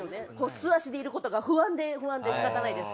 素足でいることが不安で不安でしかたないです。